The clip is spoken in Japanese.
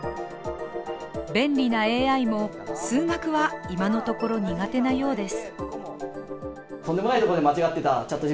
便利なＡＩも数学は今のところ苦手なようです。